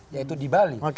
yaitu di bali